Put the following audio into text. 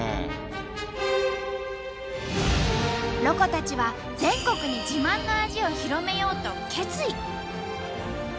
ロコたちは全国に自慢の味を広めようと決意。